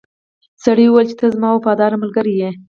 سړي وویل چې ته زما وفادار ملګری یې.